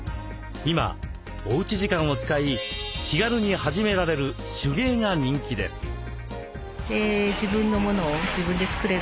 今おうち時間を使い気軽に始められる「手芸」が人気です。